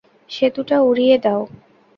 সেতুটা উড়িয়ে দাও!